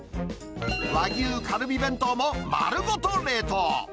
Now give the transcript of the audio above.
和牛カルビ弁当も丸ごと冷凍。